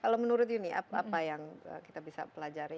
kalau menurut uni apa yang kita bisa pelajari